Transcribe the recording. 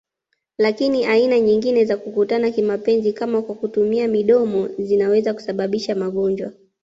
Lakini aina nyingine za kukutana kimapenzi kama kwa kutumia midomo zinaweza kusambaza magonjwa